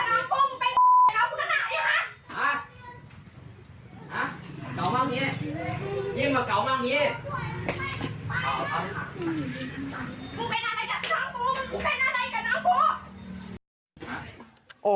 โตโห